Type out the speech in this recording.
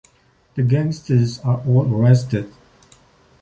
The gangsters are all arrested.